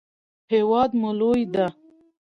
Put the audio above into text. هیواد مو لوی ده.